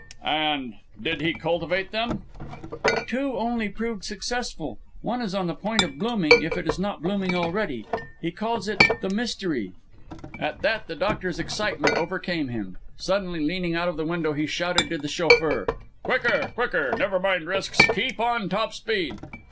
"And did he cultivate them?" "Two only proved successful. One is on the point of blooming if it is not blooming already. He calls it the 'Mystery.'" At that, the doctor's excitement overcame him. Suddenly leaning out of the window, he shouted to the chauffeur: "Quicker! Quicker! Never mind risks. Keep on top speed!"